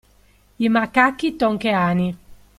I macachi tonkeani.